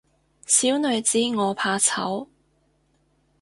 小女子我怕醜